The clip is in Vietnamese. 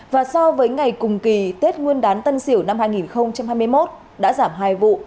và so với ngày cùng kỳ tết nguyên đán tân sỉu năm hai nghìn hai mươi một đã giảm hai vụ